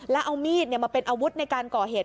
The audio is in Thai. แล้วเอามีดมาเป็นอาวุธในการก่อเหตุ